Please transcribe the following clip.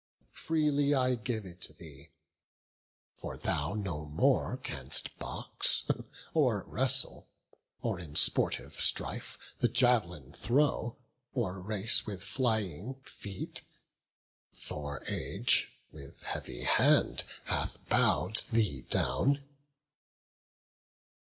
Freely I give it thee; for thou no more Canst box, or wrestle, or in sportive strife The jav'lin throw, or race with flying feet; For age with heavy hand hath bow'd thee down."